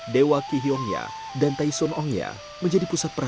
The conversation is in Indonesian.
dewa kihiongya dan taesun ongya menjadi pusat peran